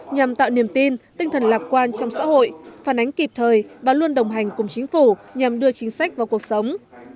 nhằm tạo niềm tin tinh thần lạc quan trong xã hội phản ánh kịp thời và luôn đồng hành cùng chính phủ nhằm đưa chính sách vào cuộc sống